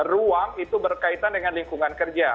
ruang itu berkaitan dengan lingkungan kerja